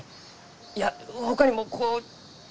いやほかにもこう。